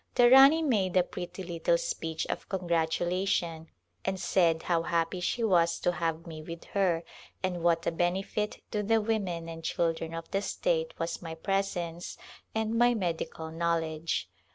The Rani made a pretty little speech of congratulation and said how happy she was to have me with her and what a benefit to the women and children of the state was my presence and my medical knowledge.